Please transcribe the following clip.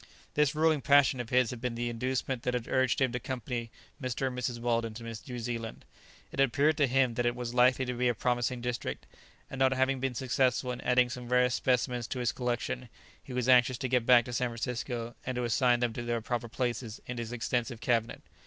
This ruling passion of his had been the inducement that had urged him to accompany Mr. and Mrs. Weldon to New Zealand. It had appeared to him that it was likely to be a promising district, and now having been successful in adding some rare specimens to his collection, he was anxious to get back again to San Francisco, and to assign them their proper places in his extensive cabinet.